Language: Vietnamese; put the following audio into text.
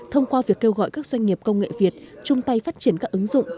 thông qua việc kêu gọi các doanh nghiệp công nghệ việt chung tay phát triển các ứng dụng